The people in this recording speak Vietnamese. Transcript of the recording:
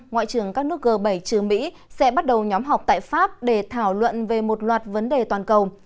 ngoại trưởng các nước g bảy chứa mỹ sẽ bắt đầu nhóm họp tại pháp để thảo luận về một loạt vấn đề toàn cầu